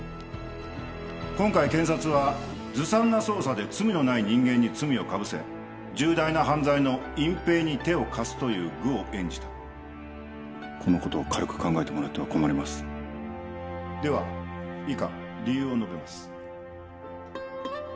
今回検察はずさんな捜査で罪のない人間に罪をかぶせ重大な犯罪の隠蔽に手を貸すという愚を演じたこのことを軽く考えてもらっては困りますでは以下理由を述べます